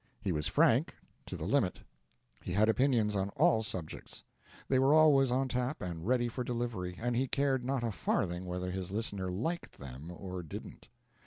He was frank, to the limit; he had opinions on all subjects; they were always on tap and ready for delivery, and he cared not a farthing whether his listener liked them or didn't.